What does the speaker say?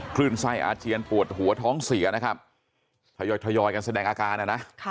คลื่นไส้อาเจียนปวดหัวท้องเสียนะครับทยอยกันแสดงอาการนะ